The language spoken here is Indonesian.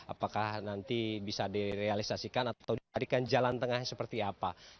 apakah nanti bisa direalisasikan atau diberikan jalan tengah seperti apa